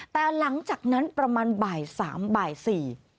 แต่หลังจากนั้นประมาณบ่ายสามบ่ายสี่